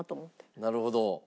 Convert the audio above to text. なるほど。